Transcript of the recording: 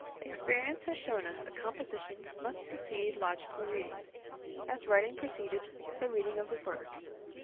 Experience has shown us that composition must precede logical reading, as writing preceded the reading of the word.